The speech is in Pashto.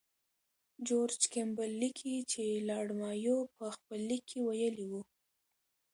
جورج کیمبل لیکي چې لارډ مایو په خپل لیک کې ویلي وو.